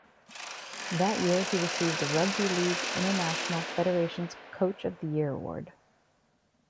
That year he received the Rugby League International Federation's coach of the year award.